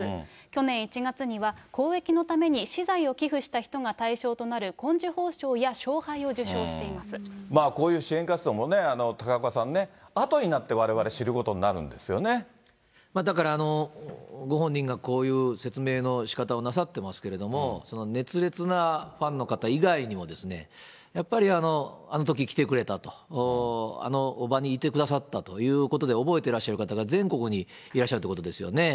去年１月には、公益のために私財を寄付した人が対象となる紺綬褒章や賞杯を受章こういう支援活動もね、高岡さんね、あとになってわれわれ知ることになるんですだから、ご本人がこういう説明のしかたをなさっていますけれども、熱烈なファンの方以外にもですね、やっぱりあのとき来てくれたと、あの場にいてくださったということで、覚えてらっしゃる方が、全国にいらっしゃるということですよね。